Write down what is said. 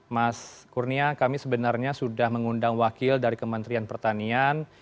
mas kurnia kami sebenarnya sudah mengundang wakil dari kementerian pertanian